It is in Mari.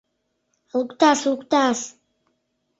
Лукташ, лукташ!